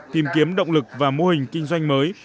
tìm kiếm động lực và mô hình kinh doanh mới